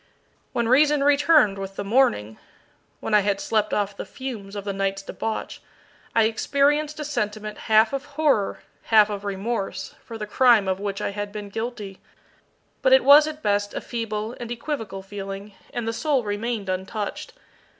When reason returned with the morning when I had slept off the fumes of the night's debauch I experienced a sentiment half of horror, half of remorse, for the crime of which I had been guilty, but it was at best a feeble and equivocal feeling, and the soul remained untouched.